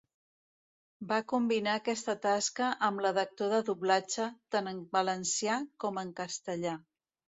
Va combinar aquesta tasca amb la d'actor de doblatge, tant en valencià com en castellà.